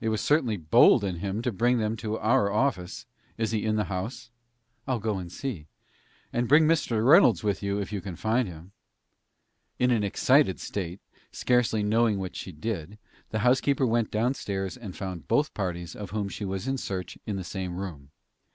It was certainly bold in him to bring them to our office. Is he in the house?" "I'll go and see." "And bring Mr. Reynolds with you, if you can find him." In an excited state, scarcely knowing what she did, the housekeeper went downstairs and found both parties of whom she was in search in the same room.